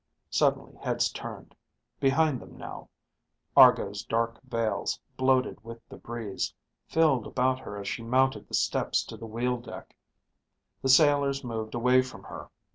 Suddenly heads turned. Behind them now, Argo's dark veils, bloated with the breeze, filled about her as she mounted the steps to the wheel deck. The sailors moved away from her.